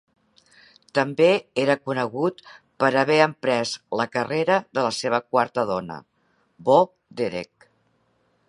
També era conegut per haver emprès la carrera de la seva quarta dona, Bo Derek.